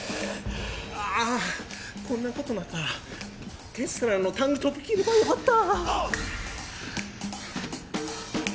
あこんなことだったらテスラのタンクトップ着ればよかった！